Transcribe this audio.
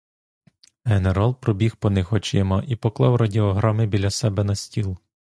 Генерал пробіг по них очима і поклав радіограми біля себе на стіл.